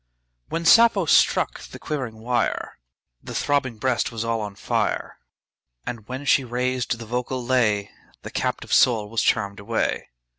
1 When Sappho struck the quivering wire, The throbbing breast was all on fire; And when she raised the vocal lay, The captive soul was charm'd away!